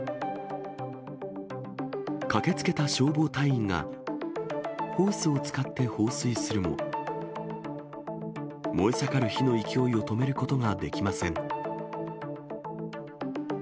駆けつけた消防隊員が、ホースを使って放水するも、燃え盛る火の勢いを止めることができません。